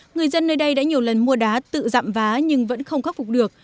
người dân nơi đây đã nhiều lần mua đá tự dặm vá nhưng vẫn không khắc phục được